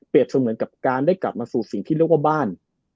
เสมือนกับการได้กลับมาสู่สิ่งที่เรียกว่าบ้าน